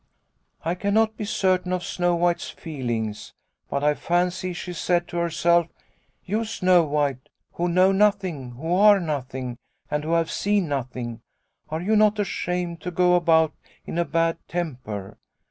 " I cannot be certain of Snow White's feelings, but I fancy she said to herself, ' You, Snow White, who know nothing, who are nothing, and who have seen nothing, are you not ashamed Snow White 43 to go about in a bad temper